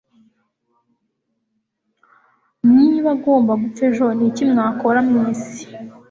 niba agomba gupfa ejo, niki mwakora mwisi